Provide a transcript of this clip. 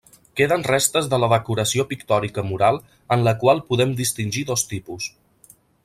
Queden restes de la decoració pictòrica mural en la qual podem distingir dos tipus.